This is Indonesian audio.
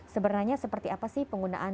sebenarnya seperti apa sih penggunaan